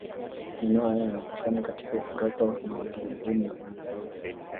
Maneno hayo yanapatikana katika ukurasa wa thelathini na nane